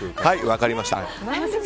分かりました。